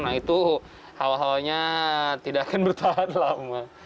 nah itu hal halnya tidak akan bertahan lama